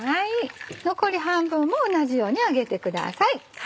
残り半分も同じように揚げてください。